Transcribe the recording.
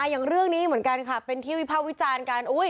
อย่างเรื่องนี้เหมือนกันค่ะเป็นที่วิภาควิจารณ์กัน